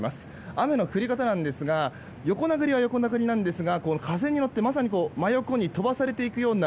雨の降り方なんですが横殴りは横殴りなんですが風に乗って真横に飛ばされていくような